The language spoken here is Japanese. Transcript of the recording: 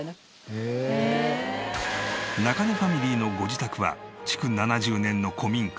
中根ファミリーのご自宅は築７０年の古民家